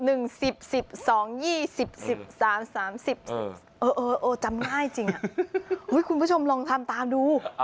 เออจำง่ายจริงคุณผู้ชมลองทำตามดู